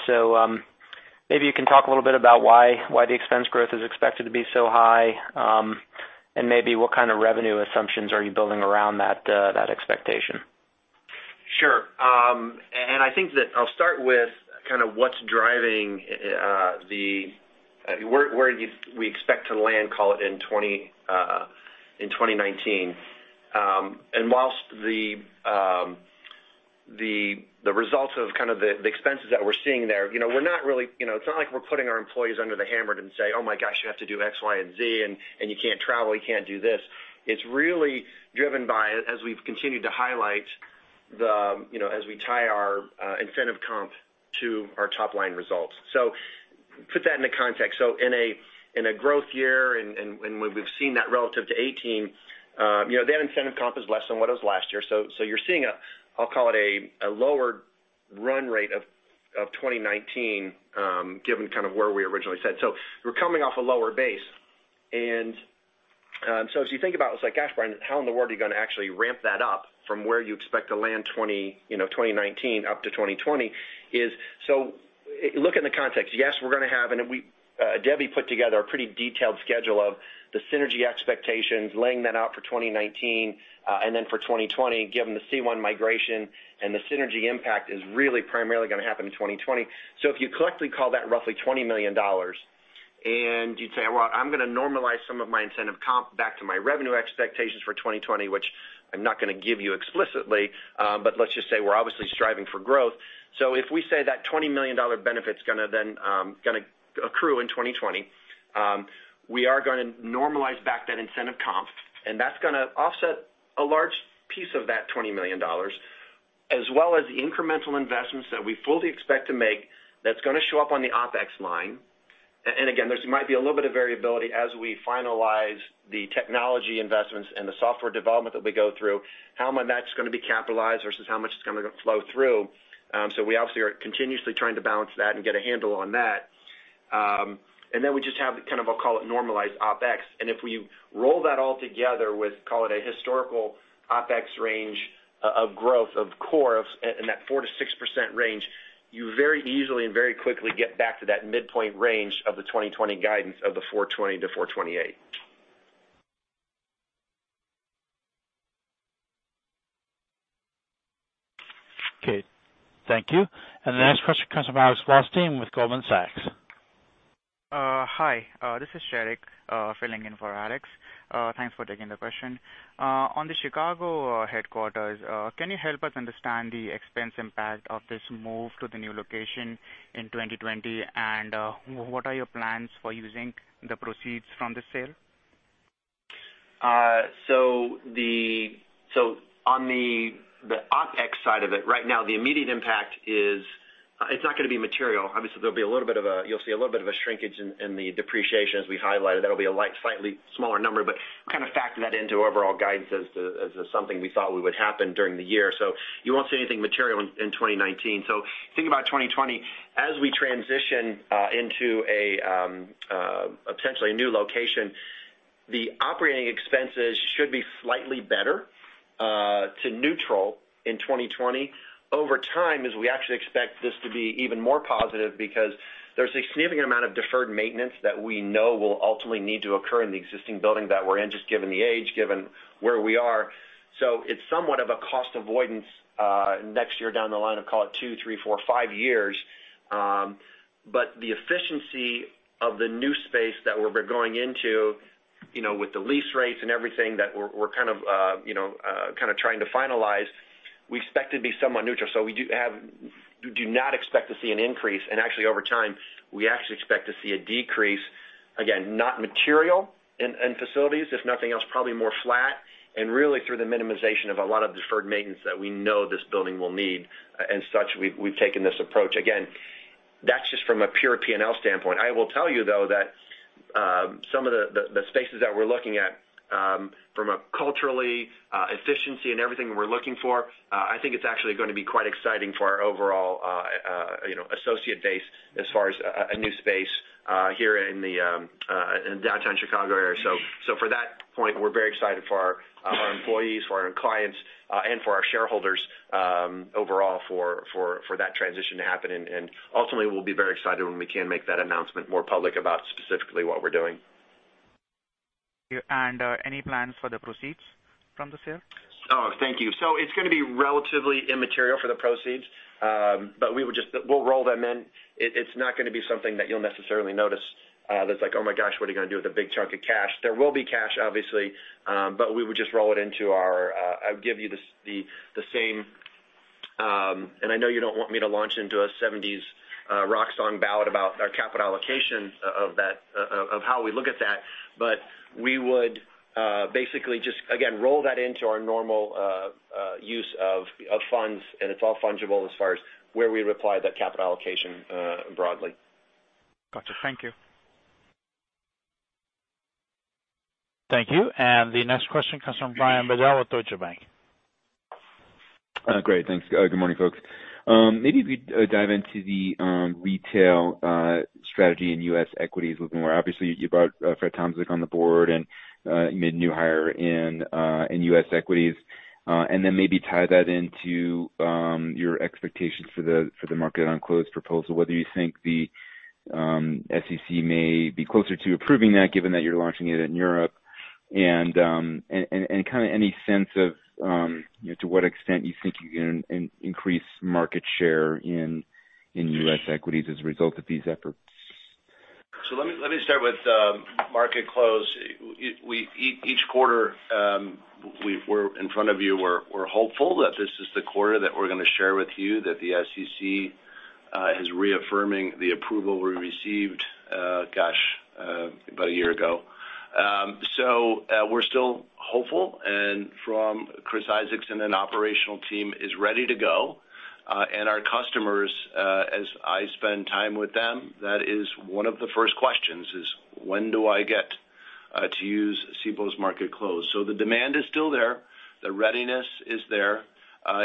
Maybe you can talk a little bit about why the expense growth is expected to be so high, and maybe what kind of revenue assumptions are you building around that expectation? Sure. I think that I'll start with what's driving where we expect to land, call it, in 2019. Whilst the results of kind of the expenses that we're seeing there, it's not like we're putting our employees under the hammer and say, "Oh my gosh, you have to do X, Y, and Z, and you can't travel, you can't do this." It's really driven by, as we've continued to highlight, as we tie our incentive comp to our top-line results. Put that into context. In a growth year, and when we've seen that relative to 2018, that incentive comp is less than what it was last year. You're seeing a, I'll call it a lower run rate of 2019, given kind of where we originally said. We're coming off a lower base. As you think about it's like, "Gosh, Brian, how in the world are you going to actually ramp that up from where you expect to land 2019 up to 2020?" Look in the context. Yes, we're going to have, and Debbie put together a pretty detailed schedule of the synergy expectations, laying that out for 2019. For 2020, given the C1 migration and the synergy impact is really primarily going to happen in 2020. If you collectively call that roughly $20 million, and you'd say, "Well, I'm going to normalize some of my incentive comp back to my revenue expectations for 2020," which I'm not going to give you explicitly. Let's just say we're obviously striving for growth. If we say that $20 million benefit's going to then accrue in 2020, we are going to normalize back that incentive comp. That's going to offset a large piece of that $20 million, as well as the incremental investments that we fully expect to make that's going to show up on the OpEx line. Again, there might be a little bit of variability as we finalize the technology investments and the software development that we go through, how much of that's going to be capitalized versus how much is going to flow through. We obviously are continuously trying to balance that and get a handle on that. We just have the kind of, I'll call it normalized OpEx. If we roll that all together with, call it a historical OpEx range of growth of core in that 4%-6% range, you very easily and very quickly get back to that midpoint range of the 2020 guidance of the $420-$428. Okay. Thank you. The next question comes from Alex Wasserman with Goldman Sachs. Hi. This is Sheriq filling in for Alex. Thanks for taking the question. On the Chicago headquarters, can you help us understand the expense impact of this move to the new location in 2020? What are your plans for using the proceeds from the sale? On the OpEx side of it, right now, the immediate impact is it's not going to be material. Obviously, you'll see a little bit of a shrinkage in the depreciation, as we highlighted. That'll be a light, slightly smaller number. Kind of factor that into overall guidance as something we thought would happen during the year. You won't see anything material in 2019. Think about 2020. As we transition into a potentially new location, the operating expenses should be slightly better to neutral in 2020. Over time, as we actually expect this to be even more positive because there's a significant amount of deferred maintenance that we know will ultimately need to occur in the existing building that we're in, just given the age, given where we are. It's somewhat of a cost avoidance next year down the line of, call it two, three, four, five years. The efficiency of the new space that we're going into with the lease rates and everything that we're kind of trying to finalize, we expect to be somewhat neutral. We do not expect to see an increase, and actually over time, we actually expect to see a decrease, again, not material in facilities. If nothing else, probably more flat and really through the minimization of a lot of deferred maintenance that we know this building will need, and such, we've taken this approach. Again, that's just from a pure P&L standpoint. I will tell you, though, that some of the spaces that we're looking at from a culturally efficiency and everything we're looking for, I think it's actually going to be quite exciting for our overall associate base as far as a new space here in the Downtown Chicago area. For that point, we're very excited for our employees, for our clients, and for our shareholders overall for that transition to happen. Ultimately, we'll be very excited when we can make that announcement more public about specifically what we're doing. Any plans for the proceeds from the sale? Oh, thank you. It's going to be relatively immaterial for the proceeds. We'll roll them in. It's not going to be something that you'll necessarily notice that's like, "Oh my gosh, what are you going to do with a big chunk of cash." There will be cash, obviously. We would just roll it into our. I would give you the same, and I know you don't want me to launch into a '70s rock song ballad about our capital allocation of how we look at that. We would basically just, again, roll that into our normal use of funds, and it's all fungible as far as where we apply that capital allocation broadly. Got you. Thank you. Thank you. The next question comes from Brian Bedell with Deutsche Bank. Great. Thanks. Good morning, folks. Maybe if you'd dive into the retail strategy in U.S. equities a little more. Obviously, you brought Fred Tomczyk on the board, and you made a new hire in U.S. equities. Maybe tie that into your expectations for the Cboe Market Close proposal, whether you think the SEC may be closer to approving that, given that you're launching it in Europe. Kind of any sense of to what extent you think you can increase market share in U.S. equities as a result of these efforts. Let me start with Cboe Market Close. Each quarter, we're in front of you, we're hopeful that this is the quarter that we're going to share with you that the SEC. Is reaffirming the approval we received, gosh, about a year ago. We're still hopeful. From Chris Isaacson, an operational team is ready to go. Our customers, as I spend time with them, that is one of the first questions is, "When do I get to use Cboe's Market Close?" The demand is still there. The readiness is there.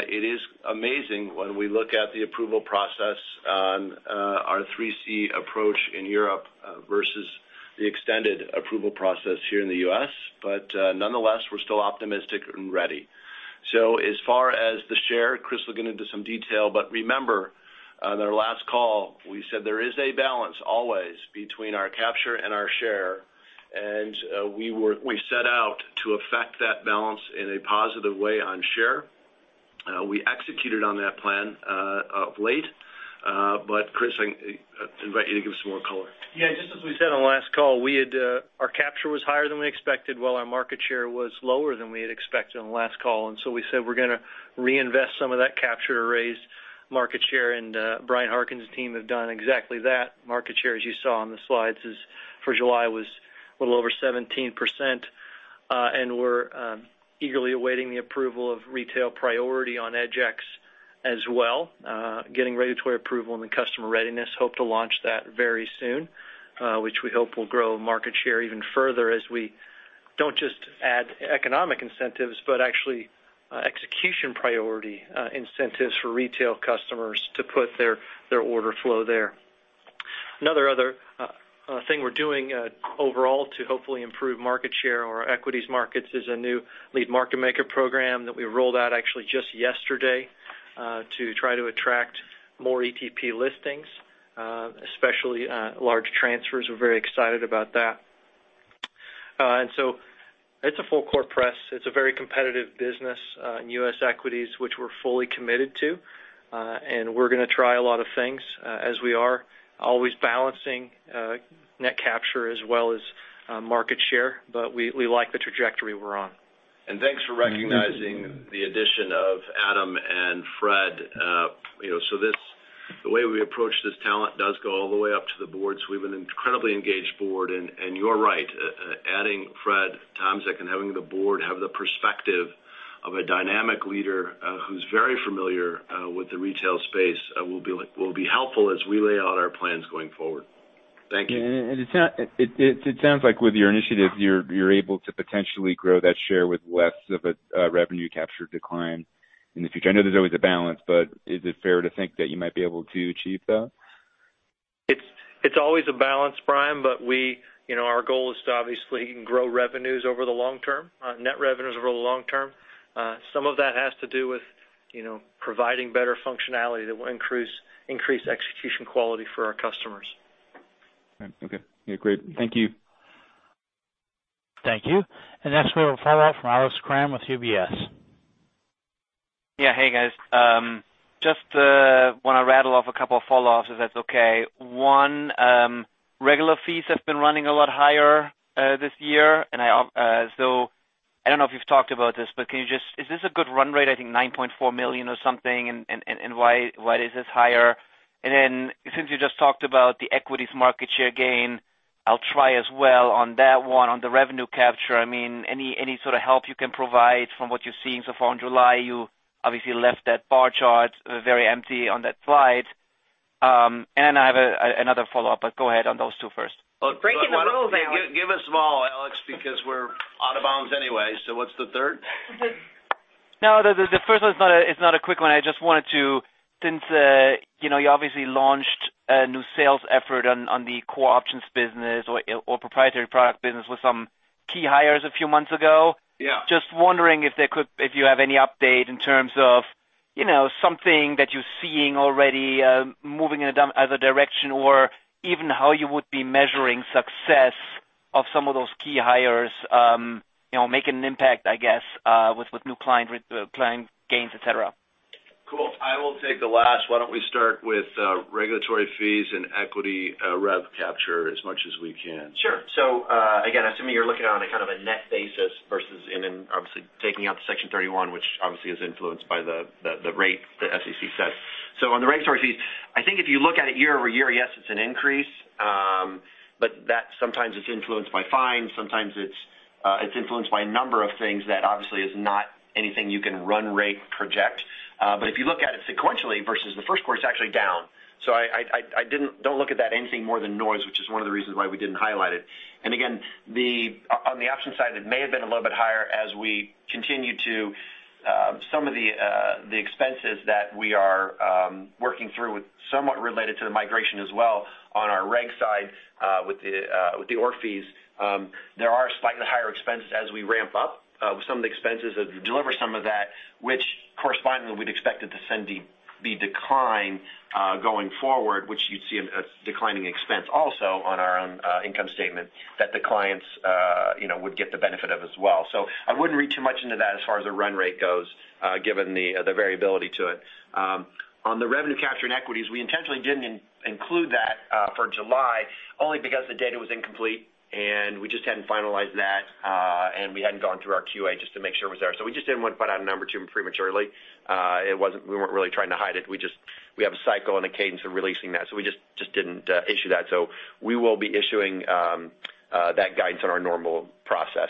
It is amazing when we look at the approval process on our three C approach in Europe versus the extended approval process here in the U.S. Nonetheless, we're still optimistic and ready. As far as the share, Chris will get into some detail, but remember, on our last call, we said there is a balance always between our capture and our share. We set out to affect that balance in a positive way on share. We executed on that plan of late. Chris, I invite you to give us some more color. Yeah. Just as we said on last call, our capture was higher than we expected while our market share was lower than we had expected on the last call. We said we're going to reinvest some of that capture to raise market share. Bryan Harkins's team have done exactly that. Market share, as you saw on the slides, for July, was a little over 17%. We're eagerly awaiting the approval of retail priority on Cboe EDGX Exchange as well. Getting regulatory approval and the customer readiness, hope to launch that very soon, which we hope will grow market share even further as we don't just add economic incentives, but actually execution priority incentives for retail customers to put their order flow there. Another thing we're doing overall to hopefully improve market share on our equities markets is a new lead market maker program that we rolled out actually just yesterday, to try to attract more ETP listings, especially large transfers. We're very excited about that. It's a full-court press. It's a very competitive business in U.S. equities, which we're fully committed to. We're going to try a lot of things as we are always balancing net capture as well as market share. We like the trajectory we're on. Thanks for recognizing the addition of Adam and Fred. The way we approach this talent does go all the way up to the board. We have an incredibly engaged board. You're right, adding Fred Tomczyk and having the board have the perspective of a dynamic leader who's very familiar with the retail space will be helpful as we lay out our plans going forward. Thank you. It sounds like with your initiatives, you're able to potentially grow that share with less of a revenue capture decline in the future. I know there's always a balance, but is it fair to think that you might be able to achieve that? It's always a balance, Brian, but our goal is to obviously grow revenues over the long term, net revenues over the long term. Some of that has to do with providing better functionality that will increase execution quality for our customers. Okay. Yeah, great. Thank you. Thank you. Next we have a follow-up from Alex Kramm with UBS. Hey, guys. Just want to rattle off a couple of follow-ups, if that's okay. One, regular fees have been running a lot higher this year. I don't know if you've talked about this, but is this a good run rate? I think $9.4 million or something, and why is this higher? Since you just talked about the equities market share gain, I'll try as well on that one, on the revenue capture. Any sort of help you can provide from what you're seeing so far in July? You obviously left that bar chart very empty on that slide. I have another follow-up, but go ahead on those two first. Give us them all, Alex, because we're out of bounds anyway. What's the third? No, the first one is not a quick one. I just wanted to, since you obviously launched a new sales effort on the core options business or proprietary product business with some key hires a few months ago. Yeah. Just wondering if you have any update in terms of something that you're seeing already moving in other direction or even how you would be measuring success of some of those key hires making an impact, I guess, with new client gains, et cetera. Cool. I will take the last. Why don't we start with regulatory fees and equity rev capture as much as we can. Sure. Again, assuming you're looking on a kind of a net basis versus, and then obviously taking out the Section 31, which obviously is influenced by the rate the SEC sets. On the regulatory fees, I think if you look at it year-over-year, yes, it's an increase. That sometimes is influenced by fines, sometimes it's influenced by a number of things that obviously is not anything you can run rate project. If you look at it sequentially versus the first quarter, it's actually down. I don't look at that anything more than noise, which is one of the reasons why we didn't highlight it. Again, on the option side, it may have been a little bit higher as we continue to some of the expenses that we are working through somewhat related to the migration as well on our reg side with the ORF fees. There are slightly higher expenses as we ramp up some of the expenses that deliver some of that, which correspondingly we'd expect it to send the decline going forward, which you'd see a declining expense also on our own income statement that the clients would get the benefit of as well. I wouldn't read too much into that as far as the run rate goes, given the variability to it. On the revenue capture and equities, we intentionally didn't include that for July, only because the data was incomplete, and we just hadn't finalized that. We hadn't gone through our QA just to make sure it was there. We just didn't want to put out a number 2 prematurely. We weren't really trying to hide it. We have a cycle and a cadence of releasing that. We just didn't issue that. We will be issuing that guidance on our normal process.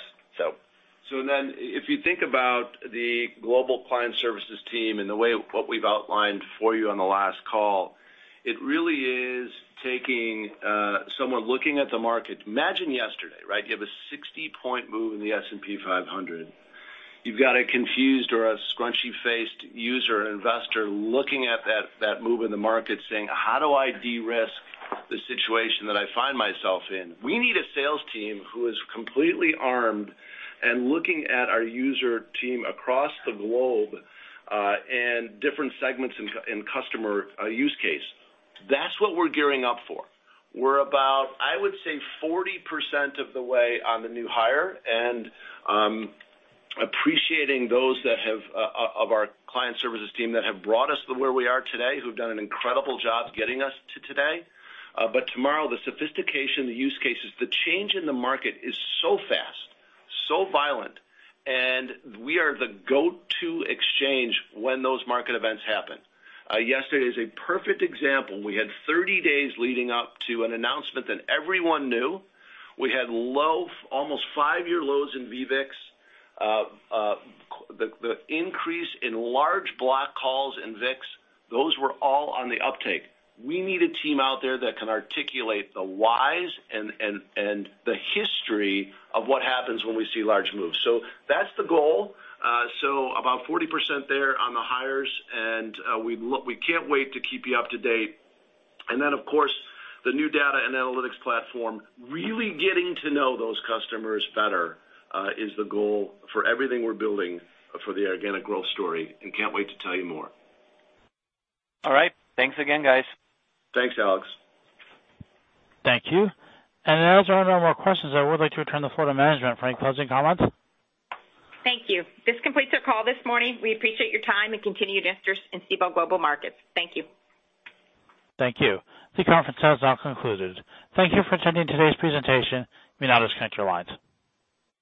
If you think about the global client services team and what we've outlined for you on the last call, it really is taking someone looking at the market. Imagine yesterday, right? You have a 60-point move in the S&P 500. You've got a confused or a scrunchie-faced user investor looking at that move in the market saying, "How do I de-risk the situation that I find myself in?" We need a sales team who is completely armed and looking at our user team across the globe, and different segments in customer use case. That's what we're gearing up for. We're about, I would say, 40% of the way on the new hire and appreciating those of our client services team that have brought us to where we are today, who've done an incredible job getting us to today. Tomorrow, the sophistication, the use cases, the change in the market is so fast, so violent, and we are the go-to exchange when those market events happen. Yesterday is a perfect example. We had 30 days leading up to an announcement that everyone knew. We had low, almost five-year lows in VVIX. The increase in large block calls in VIX, those were all on the uptake. We need a team out there that can articulate the whys and the history of what happens when we see large moves. That's the goal. About 40% there on the hires, and we can't wait to keep you up to date. Of course, the new data and analytics platform, really getting to know those customers better, is the goal for everything we're building for the organic growth story, and can't wait to tell you more. All right. Thanks again, guys. Thanks, Alex. Thank you. As there are no more questions, I would like to return the floor to management for any closing comments. Thank you. This completes our call this morning. We appreciate your time and continued interest in Cboe Global Markets. Thank you. Thank you. The conference has now concluded. Thank you for attending today's presentation. You may now disconnect your lines.